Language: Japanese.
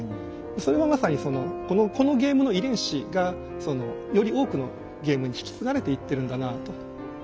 それはまさにそのこのゲームの遺伝子がそのより多くのゲームに引き継がれていってるんだなぁと。